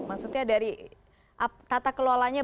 maksudnya dari tata kelolanya